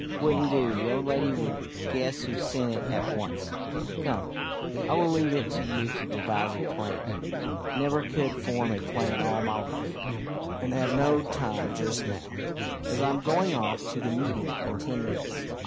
"Wouldn't do. The old lady would guess who sent it at once. Come, I will leave it to you to devise a plan. Never could form a plan all my life, and have no time just now, as I'm going off to the meeting in ten minutes.